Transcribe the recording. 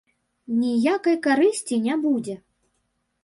Ніякай карысці не будзе.